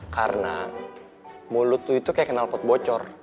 karena mulut lo itu kayak kenal pot bocor